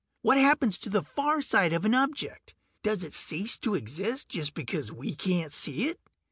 What happens to the far side of an object; does it cease to exist just because we can't see it?